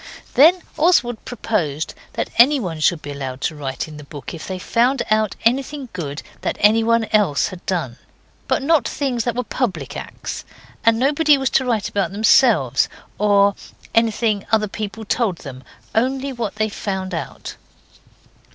Then Oswald proposed that anybody should be allowed to write in the book if they found out anything good that anyone else had done, but not things that were public acts; and nobody was to write about themselves, or anything other people told them, only what they found out.